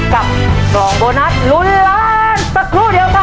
กับบรองโบนัสหลุงล้านสักครู่เดี๋ยวครับ